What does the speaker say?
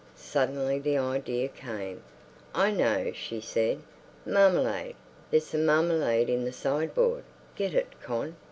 Suddenly the idea came. "I know," she said. "Marmalade. There's some marmalade in the sideboard. Get it, Con."